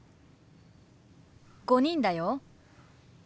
５人だよ。